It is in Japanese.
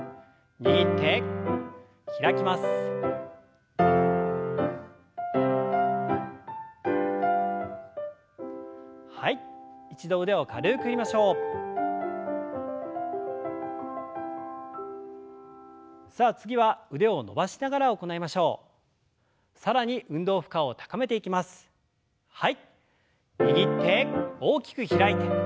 握って大きく開いて。